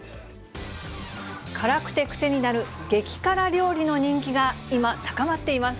辛くて癖になる激辛料理の人気が今、高まっています。